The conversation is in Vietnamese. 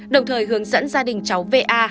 đồng thời hướng dẫn gia đình cháu va